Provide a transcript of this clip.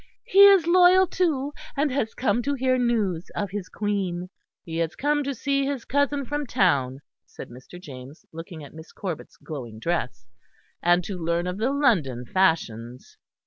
"He is loyal too, and has come to hear news of his Queen." "He has come to see his cousin from town," said Mr. James, looking at Miss Corbet's glowing dress, "and to learn of the London fashions."